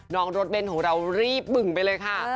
น้องรถเบ้นของเรารีบบึ่งไปเลยค่ะ